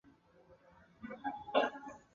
她后来再从剑桥大学取得文学硕士学位。